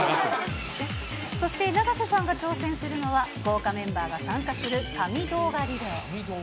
そして、永瀬さんが挑戦するのは、豪華メンバーが参加する神動画リレー。